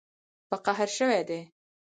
په قهر شوي دي